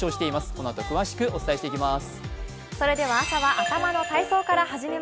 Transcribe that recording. このあと詳しくお伝えしてまいります。